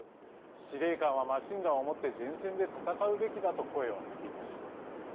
司令官はマシンガンを持って前線で戦うべきだと声を上げています。